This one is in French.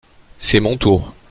C’est mon tour.